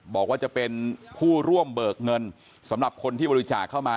บอกว่าจะเป็นผู้ร่วมเบิกเงินสำหรับคนที่บริจาคเข้ามา